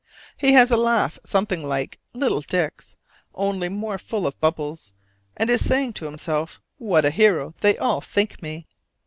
He has a laugh something like "little Dick's," only more full of bubbles, and is saying to himself, "What a hero they all think me!"